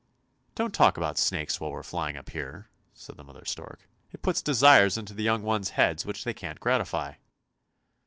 " Don't talk about snakes while we are flying up here," said the mother stork. " It puts desires into the young one's heads which they can't gratify."